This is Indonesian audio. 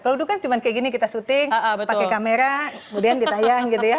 kalau dulu kan cuma kayak gini kita syuting pakai kamera kemudian ditayang gitu ya